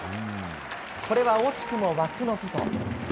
これは惜しくも枠の外。